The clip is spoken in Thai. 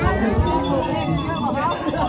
อาจารย์สะเทือนครูดีศิลปันติน